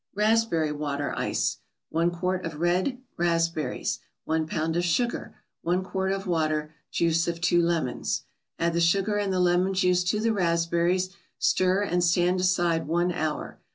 RASPBERRY WATER ICE 1 quart of red raspberries 1 pound of sugar 1 quart of water Juice of two lemons Add the sugar and the lemon juice to the raspberries, stir and stand aside one hour.